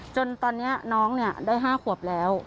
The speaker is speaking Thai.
จนตอนนี้น้องได้๕ขวบแล้ว